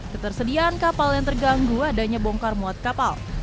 ketersediaan kapal yang terganggu adanya bongkar muat kapal